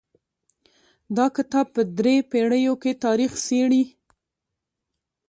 دا کتاب په درې پېړیو کې تاریخ څیړي.